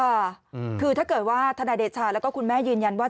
อืมคือถ้าเกิดว่าธนายเดชาแล้วก็คุณแม่ยืนยันว่า